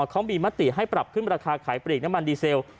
เขามีมติให้ปรับขึ้นราคาขายปลีกน้ำมันดีเซล